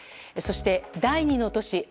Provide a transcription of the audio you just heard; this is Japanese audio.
そして第２の都市